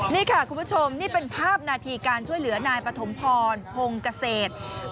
นี่ค่ะคุณผู้ชมนี่เป็นภาพนาทีการช่วยเหลือนายปฐมพรพงเกษตร